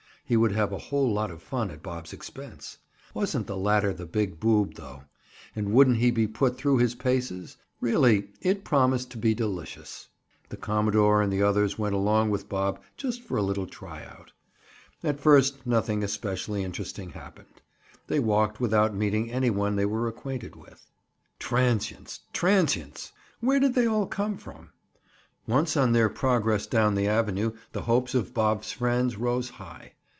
He would have a whole lot of fun at Bob's expense. Wasn't the latter the big boob, though? And wouldn't he be put through his paces? Really it promised to be delicious. The commodore and the others went along with Bob just for a little try out. At first nothing especially interesting happened. They walked without meeting any one they were acquainted with. Transients! transients! where did they all come from? Once on their progress down the avenue the hopes of Bob's friends rose high.